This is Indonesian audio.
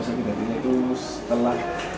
sakit hatinya itu setelah